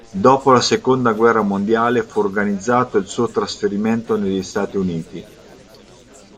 Dopo la seconda guerra mondiale, fu organizzato il suo trasferimento negli Stati Uniti.